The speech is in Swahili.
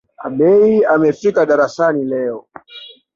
Ameir amefika darasani leo